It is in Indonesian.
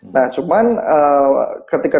nah cuman ketika dua tahun itu kami